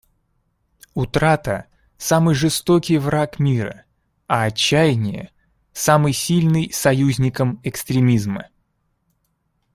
Утрата — самый жестокий враг мира, а отчаяние — самый сильный союзником экстремизма.